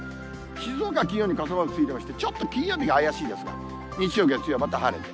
静岡、金曜に傘マークついてまして、ちょっと金曜日が怪しいですが、日曜、月曜、また晴れて。